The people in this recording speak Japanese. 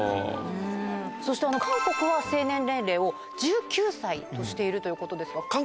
そして韓国は成年年齢を１９歳としているということですが。